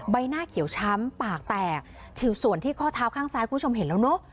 ใบหน้าเขียวช้ำปากแตกผิวส่วนที่ข้อเท้าข้างซ้ายคุณผู้ชมเห็นแล้วเนอะ